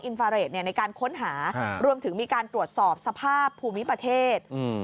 ฟาเรทในการค้นหารวมถึงมีการตรวจสอบสภาพภูมิประเทศ